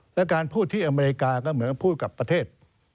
และการพูดที่อเมริกาก็เหมือนพูดกับประเทศ